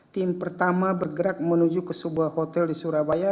tim pertama bergerak menuju ke sebuah hotel di surabaya